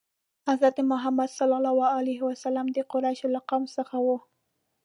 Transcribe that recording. حضرت محمد ﷺ د قریشو له قوم څخه و.